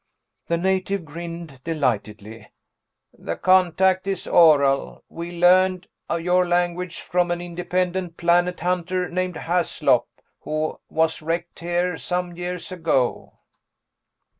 The native grinned delightedly. "The contact is oral. We learned your language from an independent planet hunter named Haslop, who was wrecked here some years ago."